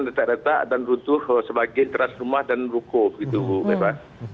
retak retak dan runtuh sebagai keras rumah dan rukuh gitu bu eva